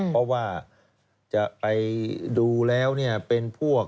เพราะว่าจะไปดูแล้วเนี่ยเป็นพวก